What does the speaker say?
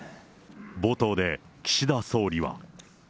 冒頭で、岸田総理は。